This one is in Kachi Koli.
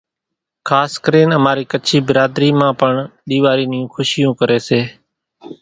خاص ڪرين اماري ڪڇي ڀراڌري مان پڻ ۮيوارِي نيون کُشيون ڪري سي،